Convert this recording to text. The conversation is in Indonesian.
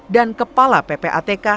dan kepala ppatk